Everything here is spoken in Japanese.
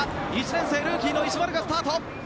１年生、ルーキーの石丸がスタート。